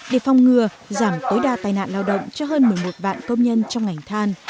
để phòng ngừa giảm tối đa tai nạn lao động cho hơn một mươi một vạn công nhân trong ngành than